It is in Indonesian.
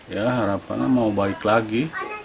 ya harapannya mau baik lagi